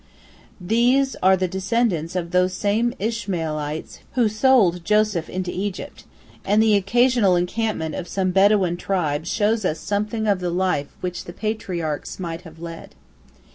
These are the descendants of those same Ishmaelites who sold Joseph into Egypt, and the occasional encampment of some Bedouin tribe shows us something of the life which the patriarchs might have led.